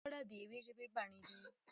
دا دواړه د يوې ژبې بڼې دي.